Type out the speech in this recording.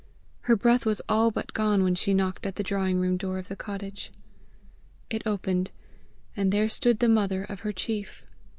Her breath was all but gone when she knocked at the drawing room door of the cottage. It opened, and there stood the mother of her chief!